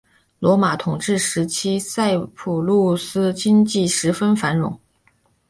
罗马统治时期塞浦路斯经济十分繁荣。